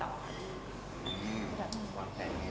วางแผนยังไงต่อ